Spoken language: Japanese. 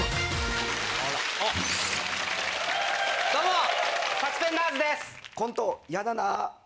どうもサスペンダーズです。